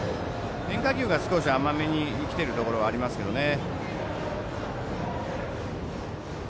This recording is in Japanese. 変化球が、少し甘めに来ているところはありますけどね。